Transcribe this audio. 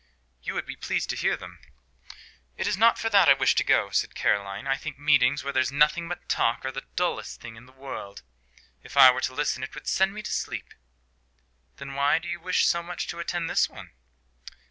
You would be pleased to hear them." "It is not for that I wish to go," said Caroline. "I think meetings, where there's nothing but talking, are the dullest things in the world. If I were to listen, it would send me to sleep." "Then why do you wish so much to attend this one?"